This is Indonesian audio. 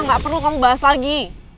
gak perlu kamu bahas lagi